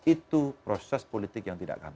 itu proses politik yang tidak akan